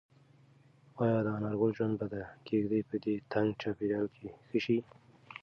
ایا د انارګل ژوند به د کيږدۍ په دې تنګ چاپیریال کې ښه شي؟